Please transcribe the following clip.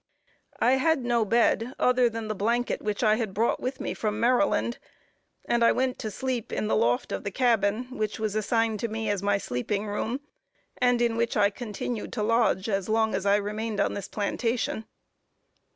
I had no other bed than the blanket which I had brought with me from Maryland; and I went to sleep in the loft of the cabin which was assigned to me as my sleeping room; and in which I continued to lodge as long as I remained on this plantation.